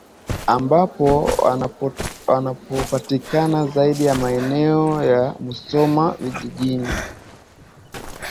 ambao wanapatikana zaidi maeneo ya Musoma Vijijini